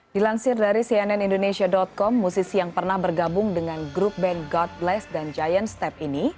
dilansir dari cnn indonesia com musisi yang pernah bergabung dengan grup band god bless dan giant step ini